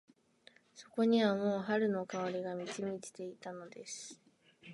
そこにはもう春の香りが満ち満ちていたのです。